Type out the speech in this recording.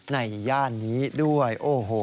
ย่านนี้ด้วยโอ้โห